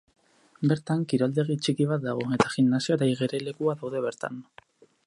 Bertan, kiroldegi txiki bat dago, eta gimnasioa eta igerilekua daude bertan.